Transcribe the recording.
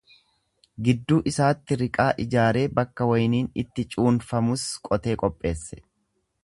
Gidduu isaatti riqaa ijaaree bakka wayniin itti cuunfamus qotee qopheesse.